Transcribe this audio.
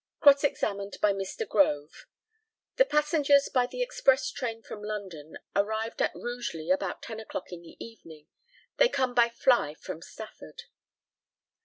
Cross examined by Mr. GROVE: The passengers by the express train from London arrived at Rugeley about ten o'clock in the evening. They come by fly from Stafford.